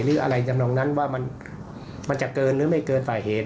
หรืออะไรจำนองนั้นว่ามันจะเกินหรือไม่เกินสาเหตุ